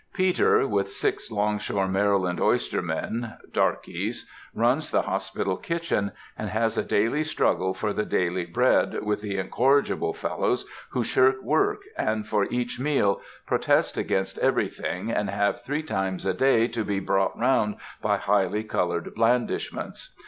"Peter," with six long shore Maryland oyster men (darkeys) runs the hospital kitchen, and has a daily struggle for the daily bread with the incorrigible fellows who shirk work, and for each meal protest against everything, and have three times a day to be brought round by highly colored blandishments.